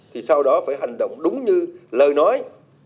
thì sau đó phải hành động đúng như lời nói